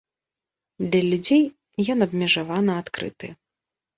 Для людзей ён абмежавана адкрыты.